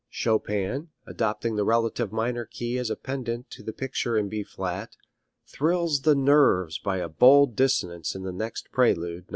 Chopin, adopting the relative minor key as a pendant to the picture in B flat, thrills the nerves by a bold dissonance in the next prelude, No.